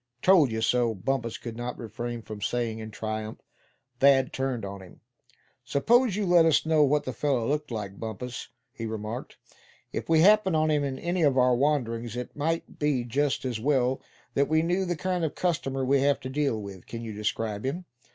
"Told you so!" Bumpus could not refrain from saying, in triumph. Thad turned on him. "Suppose you let us know what the fellow looked like, Bumpus?" he remarked. "If we happen on him in any of our wanderings, it might be just as well that we knew the kind of customer we have to deal with. Can you describe him?"